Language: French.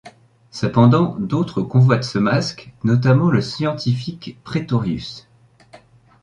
Cependant, d'autres convoitent ce masque notamment le scientifique Prétorius.